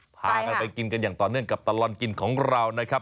พากันไปกินกันอย่างต่อเนื่องกับตลอดกินของเรานะครับ